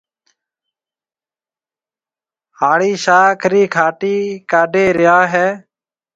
هاڙِي شاخ رِي کاٽِي ڪَڍي ريا هيَ۔